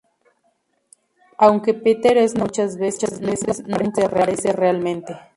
Aunque Peter es nombrado muchas veces, nunca aparece realmente.